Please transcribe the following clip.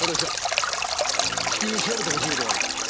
至急調べてほしい事があるんだ。